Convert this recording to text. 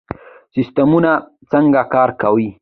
سیستمونه څنګه کار کوي؟